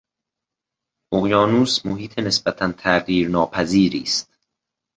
اقیانوس محیط نسبتا تغییر ناپذیری است.